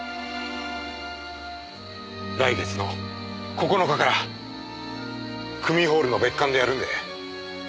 来月の９日から区民ホールの別館でやるんで。